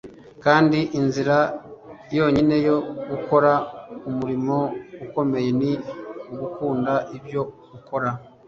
Kandi inzira yonyine yo gukora umurimo ukomeye ni ugukunda ibyo ukora.